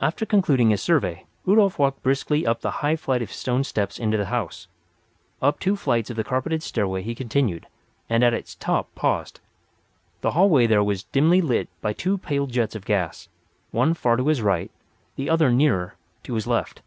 After concluding his survey Rudolf walked briskly up the high flight of stone steps into the house. Up two flights of the carpeted stairway he continued; and at its top paused. The hallway there was dimly lighted by two pale jets of gas—one far to his right, the other nearer, to his left.